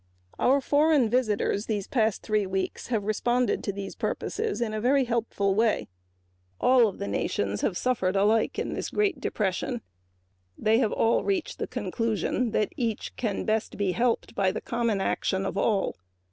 Our foreign visitors these past three weeks have responded to these purposes in a very helpful way. All of the nations have suffered alike in this great depression. They have all reached the conclusion that each can best be helped by the common action of all.